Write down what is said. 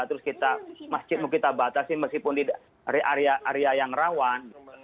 terus kita masjid mau kita batasi meskipun di area yang rawan